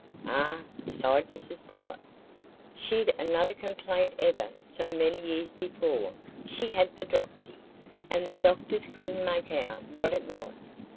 "Ah!" sighed Mrs Pullet, "she'd another complaint ever so many years before she had the dropsy, and the doctors couldn't make out what it was.